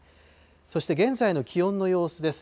そして現在の気温の様子です。